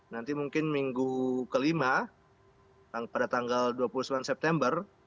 nanti mungkin minggu kelima pada tanggal dua puluh sembilan september